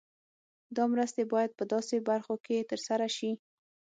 دا مرستې باید په داسې برخو کې تر سره شي.